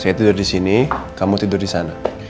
saya tidur disini kamu tidur disana